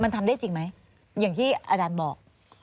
มันทำได้จริงไหมอย่างที่อาจารย์บอก